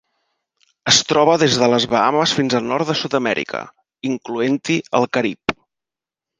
Es troba des de les Bahames fins al nord de Sud-amèrica, incloent-hi el Carib.